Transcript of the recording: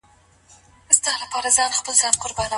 د بریا ګټل یوازي په استعداد پوري نه سي منحصر کېدلای.